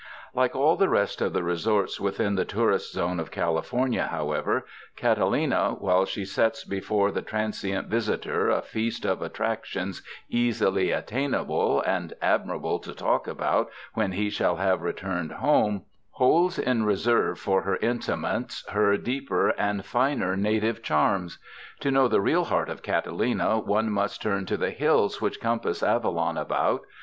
Like all the rest of the resorts within the tourist zone of California, however, Catalina, while she sets before the transient visitor a feast of attrac tions easily attainable and admirable to talk about when he shall have returned home, holds in reserve for her intimates her deeper and finer native 175 UNDER THE SKY IN CALIFORNIA charms. To know the real heart of Catalina one must turn to the hills which compass Avalon about.